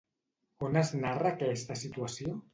On es narra aquesta situació?